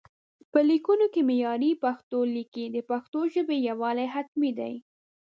په ليکونو کې معياري پښتو ليکئ، د پښتو ژبې يووالي حتمي دی